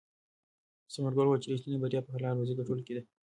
ثمرګل وویل چې ریښتینې بریا په حلاله روزي ګټلو کې ده.